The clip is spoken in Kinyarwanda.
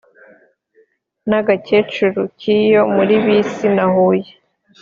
N'agacyecuru k'iyo mu Bisi na Huye